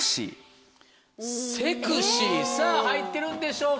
セクシーさぁ入ってるんでしょうか？